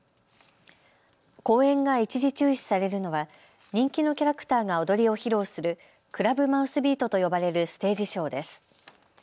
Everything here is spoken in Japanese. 公演が一時中止されるのは人気のキャラクターが踊りを披露するクラブマウスビートと呼ばれるステージショーです。